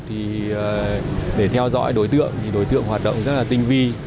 thì để theo dõi đối tượng thì đối tượng hoạt động rất là tinh vi